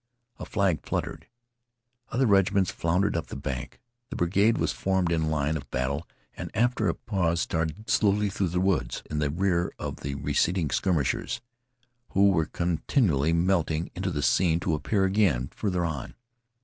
A flag fluttered. Other regiments floundered up the bank. The brigade was formed in line of battle, and after a pause started slowly through the woods in the rear of the receding skirmishers, who were continually melting into the scene to appear again farther on.